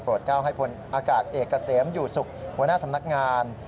ก้าวให้พลอากาศเอกเกษมอยู่ศุกร์หัวหน้าสำนักงาน